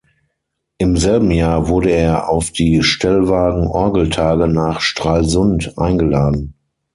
Im selben Jahr wurde er auf die Stellwagen-Orgeltage nach Stralsund eingeladen.